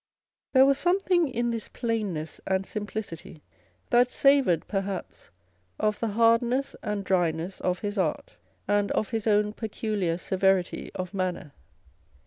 There was something in this plainness and simplicity that savoured perhaps of the hardness and dryness of his art, and of his own peculiar severity of manner.